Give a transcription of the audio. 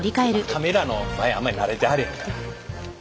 カメラの前あんまり慣れてはれへんから。